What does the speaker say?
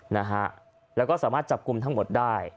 นะฮะแล้วก็สามารถจับกลุ่มทั้งหมดได้